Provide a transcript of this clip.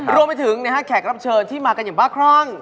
รวมไปถึงแขกรับเชิญที่มากันอย่างบ้าคล่อง